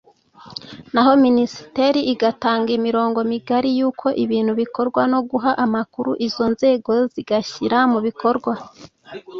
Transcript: naho minisiteri igatanga imirongo migari y’uko ibintu bikorwa no guha amakuru izo nzego zigashyira mu bikorwa